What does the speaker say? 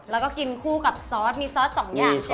แล้วก็กินคู่กับซอสมีซอสสองอย่างใช่ไหม